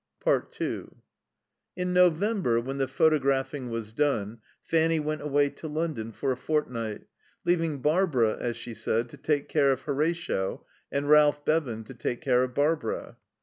2 In November, when the photographing was done, Fanny went away to London for a fortnight, leaving Barbara, as she said, to take care of Horatio, and Ralph Bevan to take care of Barbara.